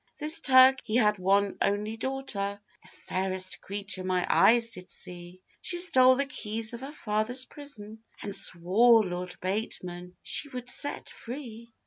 This Turk he had one only daughter, The fairest creature my eyes did see; She stole the keys of her father's prison, And swore Lord Bateman she would set free.